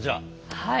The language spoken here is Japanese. はい。